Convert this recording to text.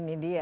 nah ini dia